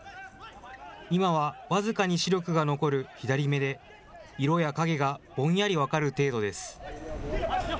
今は、僅かに視力が残る左目で、色や影がぼんやり分かる程度です。